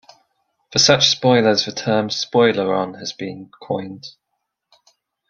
For such spoilers the term spoileron has been coined.